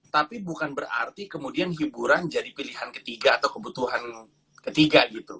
tapi bukan berarti kemudian hiburan jadi pilihan ketiga atau kebutuhan ketiga gitu